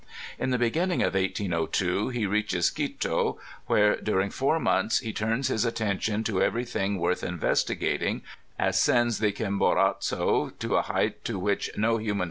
In the beginning of 1802 he reaches Quito, where, during four months, he turns his attention to every thing worth investiga ting, ascends the Chimborazo, to a height to which no human